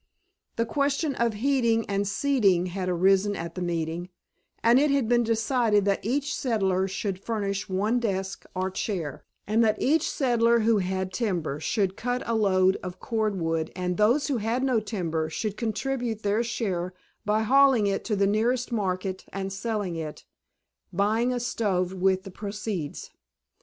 The question of heating and seating had arisen at the meeting, and it had been decided that each settler should furnish one desk or chair, and that each settler who had timber should cut a load of cord wood and those who had no timber should contribute their share by hauling it to the nearest market and selling it, buying a stove with the proceeds.